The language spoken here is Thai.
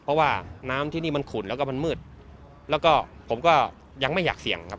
เพราะว่าน้ำที่นี่มันขุนแล้วก็มันมืดแล้วก็ผมก็ยังไม่อยากเสี่ยงครับ